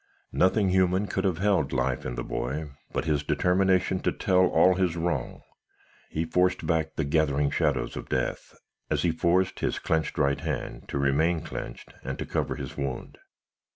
"Nothing human could have held life in the boy but his determination to tell all his wrong. He forced back the gathering shadows of death, as he forced his clenched right hand to remain clenched, and to cover his wound.